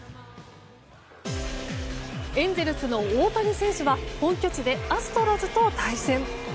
エンゼルスの大谷選手は本拠地でアストロズと対戦。